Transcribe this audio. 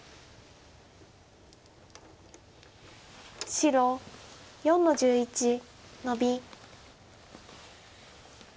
白４の十一ノビ。